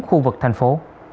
khu vực thành phố